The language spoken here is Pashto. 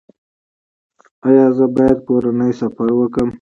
ایا زه باید کورنی سفر وکړم؟